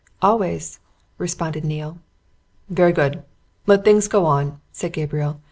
"Always," responded Neale. "Very good! Let things go on," said Gabriel.